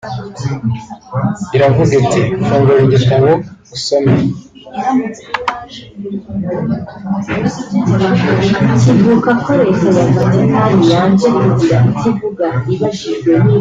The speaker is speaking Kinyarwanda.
iravuga iti “fungura igitabo usome